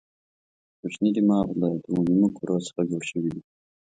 کوچنی دماغ له دوو نیمو کرو څخه جوړ شوی دی.